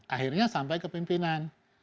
akhirnya sampai ke pimpinan